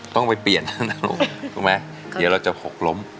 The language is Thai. ต้องไปเปลี่ยนแล้วนะลูกถูกไหมเดี๋ยวเราจะหกล้ม